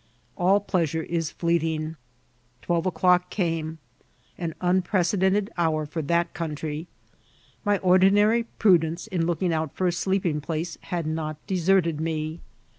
All pleasure is fleeting. Twelve o'clock came, an unprecedented hour for that country. My ordinary prudence in looking out for a sleeping place had not PJLBAtAMT L0D0IH08. 991 deserted me.